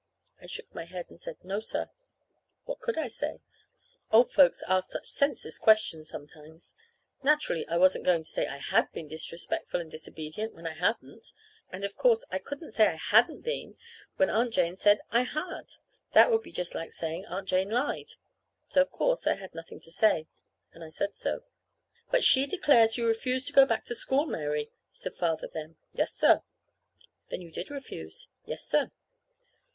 I shook my head and said, "No, sir." What could I say? Old folks ask such senseless questions, sometimes. Naturally I wasn't going to say I had been disrespectful and disobedient when I hadn't; and of course, I couldn't say I hadn't been when Aunt Jane said I had. That would be just like saying Aunt Jane lied. So, of course, I had nothing to say. And I said so. "But she declares you refused to go back to school, Mary," said Father then. "Yes, sir." "Then you did refuse?" "Yes, sir."